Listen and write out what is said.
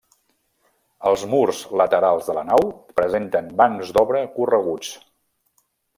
Els murs laterals de la nau presenten bancs d'obra correguts.